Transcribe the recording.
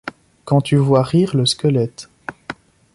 Quand tu vois rire le squelette